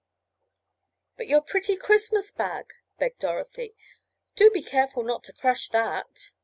"But your pretty Christmas bag," begged Dorothy. "Do be careful not to crush that."